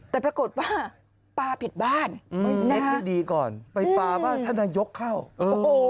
แต่ปรากฏว่าปาผิดบ้านอืมดีก่อนไปปาว่าท่านนายกเข้าโอ้โห